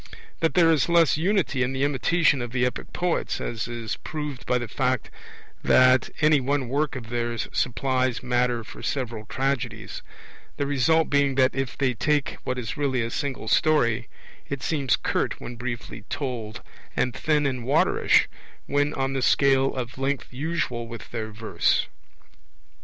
(4) That there is less unity in the imitation of the epic poets, as is proved by the fact that any one work of theirs supplies matter for several tragedies; the result being that, if they take what is really a single story, it seems curt when briefly told, and thin and waterish when on the scale of length usual with their verse.